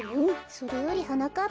それよりはなかっ